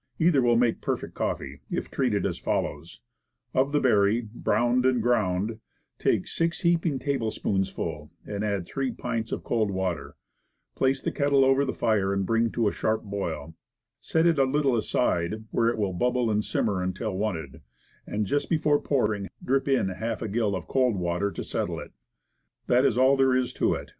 Either will make perfect coffee, if treated as follows: Of the berry, browned and ground, as before di rected, take six heaping tablespoonfuls, and add three pints of cold water; place the kettle over the fire and bring to a sharp boil; set it a little aside where it will bubble and simmer until wanted, and just before pouring, drip in a half gill of cold water to settle it. That is all there is of it.